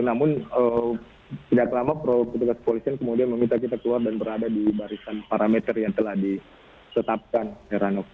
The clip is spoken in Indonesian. namun tidak lama pro pedugas polisi kemudian meminta kita keluar dan berada di barisan parameter yang telah disetapkan seranok